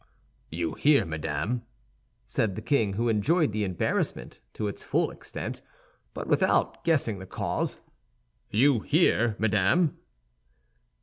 "You hear, madame," said the king, who enjoyed the embarrassment to its full extent, but without guessing the cause. "You hear, madame?"